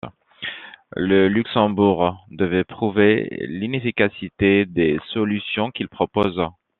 Le Luxembourg devait prouver l'inefficacité des solutions qu'il propose.